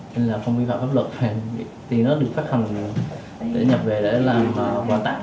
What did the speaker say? nên là không vi phạm pháp luật tiền đó được phát hành để nhập về để làm quà tặng